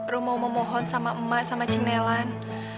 rum mau memohon sama emak sama cing nelan